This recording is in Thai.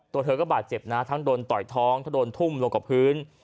ตัวเธอก็บาดเจ็บนะทั้งโดนต่อยท้องทั้งโดนทุ่มลงกับพื้น